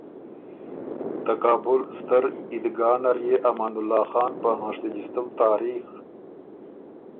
ته کابل ستر عیدګاه نر يې امان الله خان په هنشتی جیستُم تاریخ